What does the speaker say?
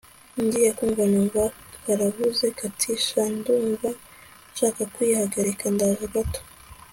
ngiye kumva numva karavuze kati sha ndumva nshaka kwihagarika, ndaje gato